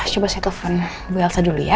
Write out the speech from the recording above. coba saya telepon bu elsa dulu ya